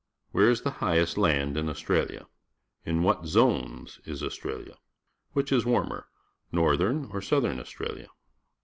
Where is the high est land in Australia? In what zones is Australia? Which is warmer, Northern or Southern Australia?